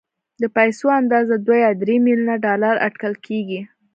د پيسو اندازه دوه يا درې ميليونه ډالر اټکل کېږي.